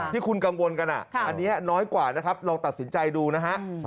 ที่คุณกังวลกันอันนี้น้อยกว่านะครับลองตัดสินใจดูนะฮะ